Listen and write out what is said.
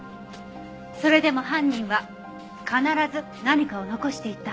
それでも犯人は必ず何かを残していったはず。